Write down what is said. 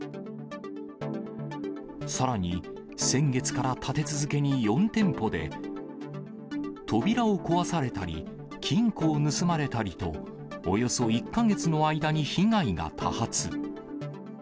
さらに、先月から立て続けに４店舗で、扉を壊されたり、金庫を盗まれたりと、およそ１か月の間に被害が多発。